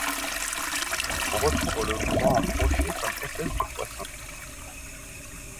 On retrouve le grand brochet comme espèce de poisson.